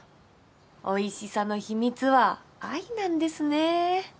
おいしさの秘密は愛なんですねぇ。